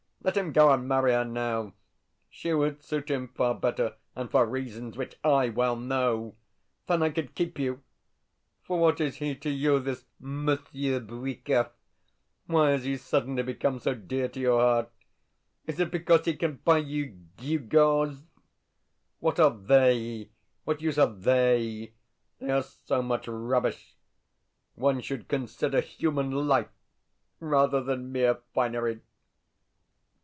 Let him go and marry her now. She would suit him far better and for reasons which I well know. Then I could keep you. For what is he to you, this Monsieur Bwikov? Why has he suddenly become so dear to your heart? Is it because he can buy you gewgaws? What are THEY? What use are THEY? They are so much rubbish. One should consider human life rather than mere finery.